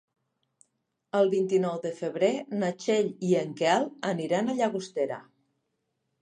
El vint-i-nou de febrer na Txell i en Quel aniran a Llagostera.